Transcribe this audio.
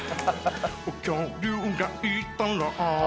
恐竜がいたら